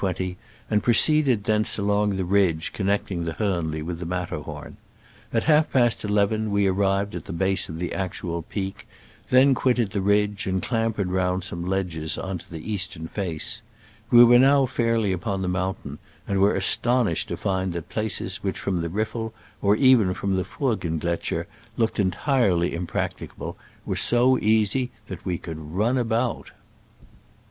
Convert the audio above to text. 20, and proceeded thence along the ridge connecting the Hornli with the Matter horn. At half past eleven we arrived at the base of the actual peak, then quit ted the ridge and clambered round some ledges on to the eastern faces We were now fairly upon the mountain, and were astonished to find that places which from the Riffel, or even from the Furggen gletscher, looked entirely impracticable, were so easy that we could run about.